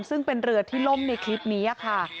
ซึ่งเป็นเรือที่ล่มในคลิปนี้ค่ะ